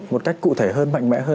một cách cụ thể hơn mạnh mẽ hơn